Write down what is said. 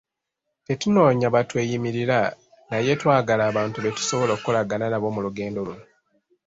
Tetunoonya batweyimirira naye twagala abantu be tusobola okukolagana nabo mu lugendo luno.